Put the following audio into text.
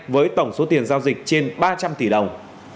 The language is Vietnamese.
với tổng số tiền giao dịch trên ba trăm linh tỷ đồng